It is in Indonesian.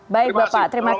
baik bapak terima kasih